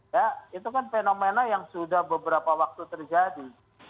ya itu kan fenomena yang sudah beberapa waktu terjadi